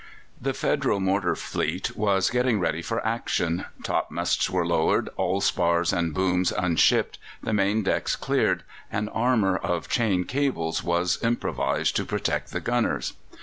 The Federal mortar fleet was getting ready for action. Topmasts were lowered, all spars and booms unshipped, the main decks cleared, and armour of chain cables was improvised to protect the gunners.